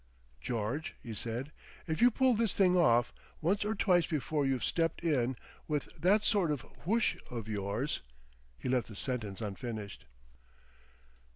"George," he said, "if you pull this thing off—Once or twice before you've stepped in—with that sort of Woosh of yours—" He left the sentence unfinished.